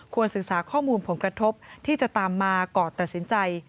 ศึกษาข้อมูลผลกระทบที่จะตามมาก่อนตัดสินใจ